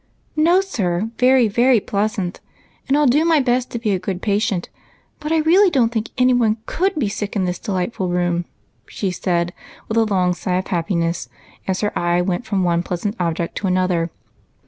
" No, sir ; very, very pleasant, and I '11 do my best to be a spod patient. But I really don't think any one could \)Q sick in this delightful room," she said, 70 EIGHT COUSINS. with a long sigh of happiness as her eye went from one pleasant object to another.